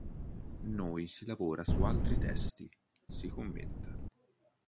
Noi si lavora su altri testi, si commenta.